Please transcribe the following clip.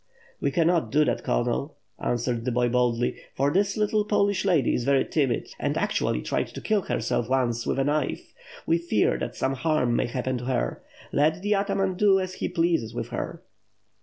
"We cannot do that. Colonel," answered the boy, boldly, "for this little Polish lady is very timid and actually tried to kill herself once with a knife. We fear that some harm may happen to her. Let the ataman do as he pleases with her."